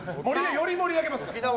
より盛り上げますから。